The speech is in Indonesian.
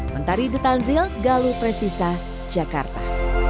mentari ditanzil galuh prestisa jakarta